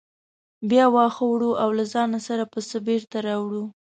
بیا واښه وړو او له ځانه سره پسه بېرته راوړو.